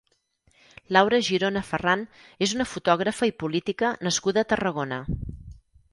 Laura Girona Ferran és una fotògrafa i política nascuda a Tarragona.